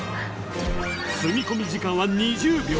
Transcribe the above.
［積み込み時間は２０秒］